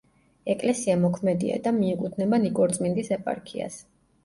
ეკლესია მოქმედია და მიეკუთვნება ნიკორწმინდის ეპარქიას.